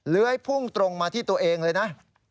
ยพุ่งตรงมาที่ตัวเองเลยนะ